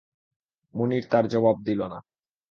মুনির তার জবাব দিল না।